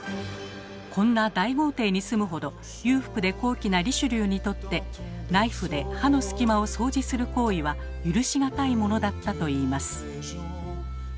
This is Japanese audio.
こんな大豪邸に住むほど裕福で高貴なリシュリューにとってナイフで歯のすき間を掃除する行為は許し難いものだったといいます。